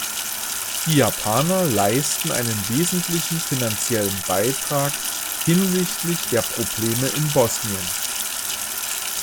Die Japaner leisten einen wesentlichen finanziellen Beitrag hinsichtlich der Probleme in Bosnien.